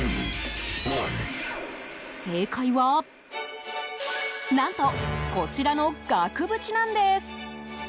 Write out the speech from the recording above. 正解は何と、こちらの額縁なんです。